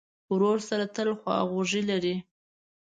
ورور سره تل خواخوږی لرې.